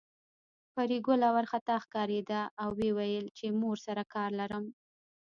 پري ګله وارخطا ښکارېده او ويل يې چې مور سره کار لرم